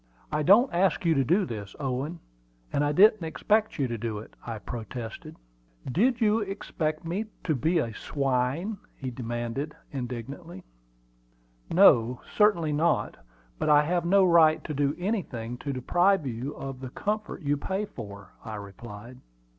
"I don't ask you to do this, Owen; and I didn't expect you to do it," I protested. "Did you expect me to be a swine?" demanded he indignantly. "No, certainly not; but I have no right to do anything to deprive you of the comfort you pay for," I replied.